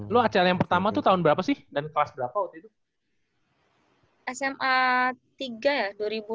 lo acl yang pertama tuh tahun berapa sih dan kelas berapa waktu itu